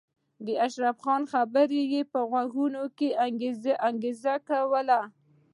د اشرف خان خبرې به یې په غوږونو کې انګازې کولې